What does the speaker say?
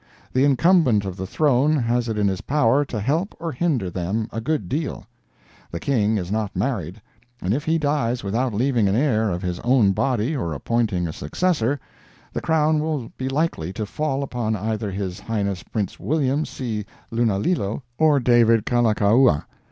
The incumbent of the throne has it in his power to help or hinder them a good deal. The King is not married; and if he dies without leaving an heir of his own body or appointing a successor, the crown will be likely to fall upon either His Highness Prince William C. Lunalilo or David Kalakaua.